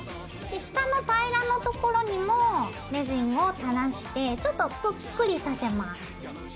下の平らの所にもレジンを垂らしてちょっとぷっくりさせます。